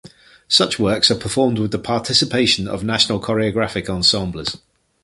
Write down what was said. Such works are performed with the participation of national choreographic ensembles.